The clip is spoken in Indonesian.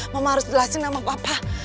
mama harus jelasin sama papa